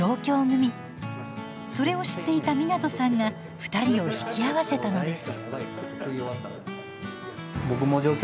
それを知っていた湊さんが２人を引き合わせたのです。